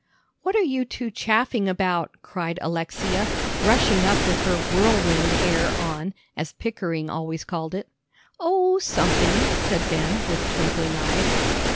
"What are you two chaffing about?" cried Alexia, rushing up with her "whirlwind air" on, as Pickering always called it. "Oh, something," said Ben, with twinkling eyes.